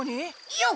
よっ！